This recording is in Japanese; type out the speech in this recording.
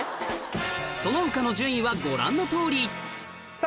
その他の順位はご覧のとおりさぁ